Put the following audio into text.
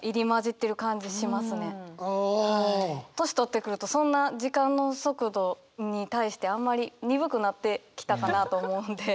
年取ってくるとそんな時間の速度に対してあんまり鈍くなってきたかなと思うので。